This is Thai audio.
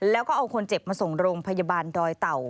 แล้วก็เอาคนเจ็บมาส่งโรงพยาบาลดอยเต่า